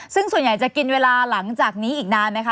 ซึ่งส่วนใหญ่จะกินเวลาหลังจากนี้อีกนานไหมคะ